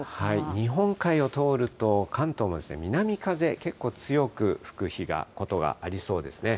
日本海を通ると関東も南風、結構強く吹くことがありそうですね。